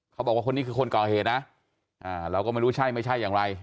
เขาบอกว่าคนนี้คือคนก่อเหตุนะเราก็ไม่รู้ใช่ไม่ใช่อย่างไร